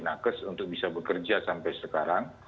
nakes untuk bisa bekerja sampai sekarang